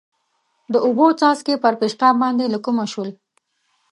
د اوبو څاڅکي پر پېشقاب باندې له کومه شول؟